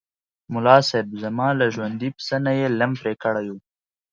ملاصاحب! زما له ژوندي پسه نه یې لم پرې کړی و.